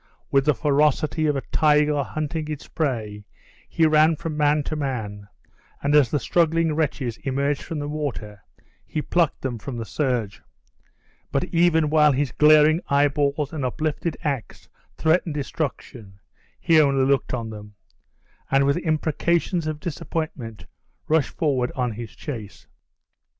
With the ferocity of a tiger hunting its prey, he ran from man to man, and as the struggling wretches emerged from the water, he plucked them from the surge; but even while his glaring eye balls and uplifted ax threatened destruction, he only looked on them; and with imprecations of disapointment, rushed forward on his chase.